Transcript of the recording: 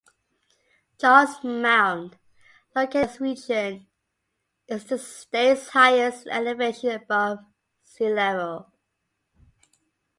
Charles Mound, located in this region, is the state's highest elevation above sea level.